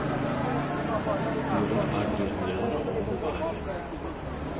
Yra Adrian Jara oro bazė.